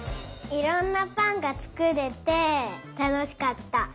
いろんなぱんがつくれてたのしかった。